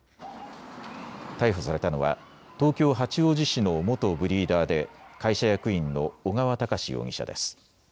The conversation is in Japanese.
逮捕されたのは東京八王子市の元ブリーダーで会社役員の尾川隆容疑者です。